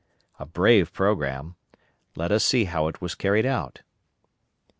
A brave programme! Let us see how it was carried out.